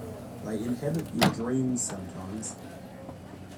They inhabit your dreams sometimes.